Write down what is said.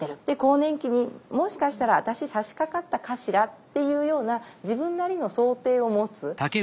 で更年期にもしかしたら私さしかかったかしらっていうような自分なりの想定を持つ。